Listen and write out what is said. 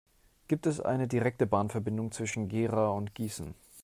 Gibt es eine direkte Bahnverbindung zwischen Gera und Gießen?